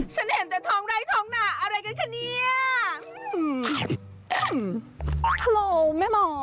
ฉันเห็นแต่ทองไดทองหนาอะไรกันคะเนี้ยอื้อฮัลโหลแม่หมอ